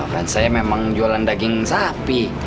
wah fans saya memang jualan daging sapi